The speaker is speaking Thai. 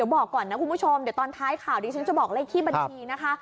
บอกก่อนนะคุณผู้ชมเดี๋ยวตอนท้ายข่าวดีฉันจะบอกเลขที่บัญชีนะคะ